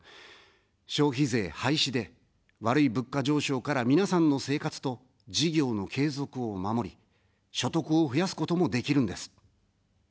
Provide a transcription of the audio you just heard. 消費税廃止で、悪い物価上昇から皆さんの生活と、事業の継続を守り、所得を増やすこともできるんです。